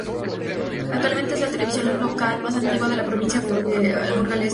Actualmente es la televisión local más antigua de la provincia burgalesa.